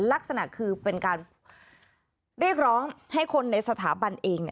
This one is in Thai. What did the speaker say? ลักษณะคือเป็นการเรียกร้องให้คนในสถาบันเอง